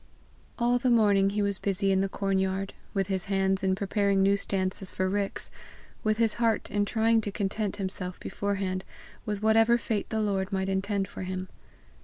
All the morning he was busy in the cornyard with his hands in preparing new stances for ricks, with his heart in try ing to content himself beforehand with whatever fate the Lord might intend for him.